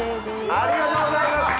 ありがとうございます！